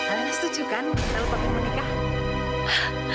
alena setuju kan kalau papi mau nikah